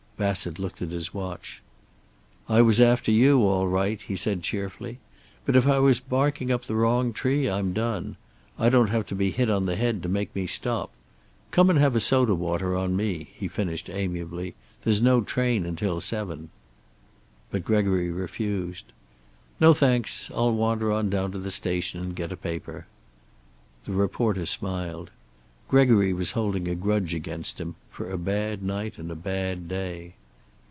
Bassett looked at his watch. "I was after you, all right," he said, cheerfully. "But if I was barking up the wrong tree, I'm done. I don't have to be hit on the head to make me stop. Come and have a soda water on me," he finished amiably. "There's no train until seven." But Gregory refused. "No, thanks. I'll wander on down to the station and get a paper." The reporter smiled. Gregory was holding a grudge against him, for a bad night and a bad day.